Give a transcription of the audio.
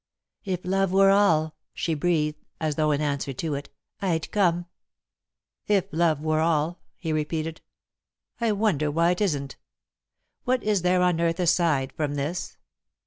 "If love were all," she breathed, as though in answer to it, "I'd come." "If love were all," he repeated. "I wonder why it isn't? What is there on earth aside from this?